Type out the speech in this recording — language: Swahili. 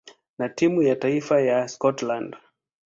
na timu ya taifa ya Scotland.